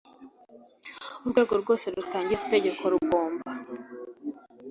Urwego rwose rutangiza itegeko rugomba